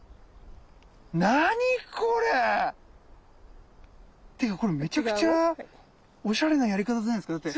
なにこれ？っていうかこれめちゃくちゃおしゃれなやり方じゃないですかだって。